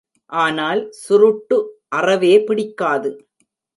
ஆனால், சுருட்டு அறவே பிடிக்காது.